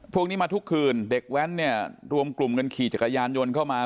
พวกนี้มาทุกคืนเด็กแว้นเนี่ยรวมกลุ่มกันขี่จักรยานยนต์เข้ามา